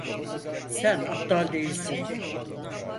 Sen aptal değilsin.